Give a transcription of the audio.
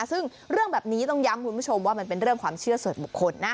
ซึ่งเรื่องแบบนี้ต้องย้ำคุณผู้ชมว่ามันเป็นเรื่องความเชื่อส่วนบุคคลนะ